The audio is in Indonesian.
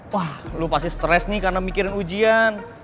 wah lu pasti stres nih karena mikirin ujian